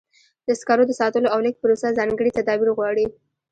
د سکرو د ساتلو او لیږد پروسه ځانګړي تدابیر غواړي.